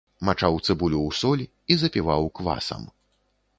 Мачаў цыбулю ў соль і запіваў квасам.